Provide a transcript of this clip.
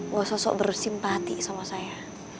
bahwa sosok bersimpati sama saya